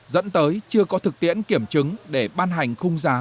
dẫn tới chưa có thực tiễn kiểm chứng để ban hành khung giá